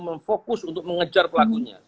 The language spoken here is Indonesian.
memfokus untuk mengejar pelakunya